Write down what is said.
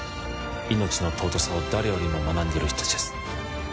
命の尊さを誰よりも学んでいる人達です